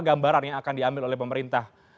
gambaran yang akan diambil oleh pemerintah